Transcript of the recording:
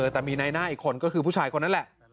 แต่มีในหน้าอีกคนก็คือผู้ชายคนนั้นแหละ